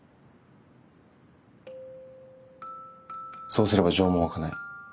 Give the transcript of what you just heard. そうすれば情も湧かない。